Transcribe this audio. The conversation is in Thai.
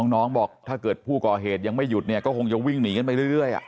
น้องบอกถ้าเกิดผู้ก่อเหตุยังไม่หยุดเนี่ยก็คงจะวิ่งหนีกันไปเรื่อย